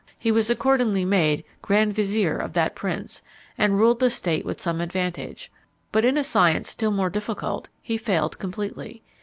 He was accordingly made Grand Vizier of that prince, and ruled the state with some advantage; but in a science still more difficult, he failed completely.